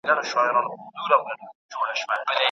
ښه اخلاق د ایمان د کاملېدو نښه ده.